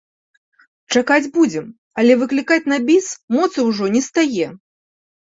Чакаць будзем, але выклікаць на біс моцы ўжо не стае.